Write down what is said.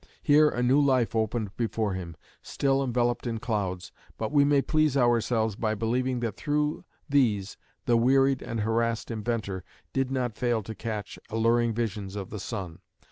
Here a new life opened before him, still enveloped in clouds, but we may please ourselves by believing that through these the wearied and harassed inventor did not fail to catch alluring visions of the sun.